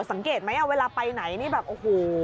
สังเกตไหมเวลาไปไหนนี่แบบโอ้โห